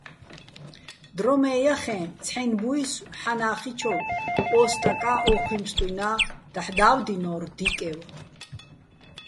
დრო მე ჲახეჼ, ცჰ̦აჲნი̆ ბუჲსო̆ ჰ̦ანა́ხიჩოვ ო სტაკა́ ო́ჴუჲ ბსტუჲნა́ დაჰ̦ და́ვდინო́რ დიკევ.